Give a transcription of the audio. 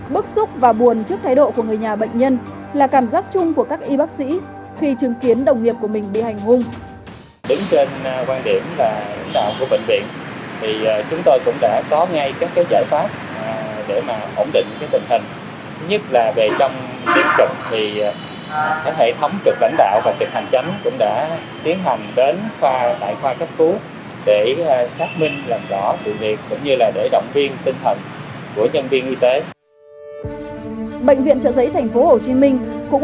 bức xúc và buồn trước thái độ của người nhà bệnh nhân là cảm giác chung của các y bác sĩ khi chứng kiến đồng nghiệp của mình bị hành hung